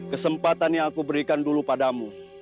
kesempatan yang aku berikan dulu padamu